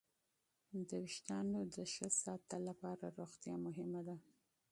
د وېښتو د ښې ودې لپاره روغتیا مهمه ده.